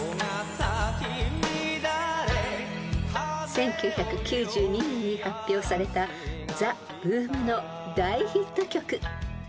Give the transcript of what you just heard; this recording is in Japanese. ［１９９２年に発表されたＴＨＥＢＯＯＭの大ヒット曲］